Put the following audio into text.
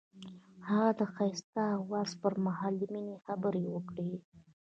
هغه د ښایسته اواز پر مهال د مینې خبرې وکړې.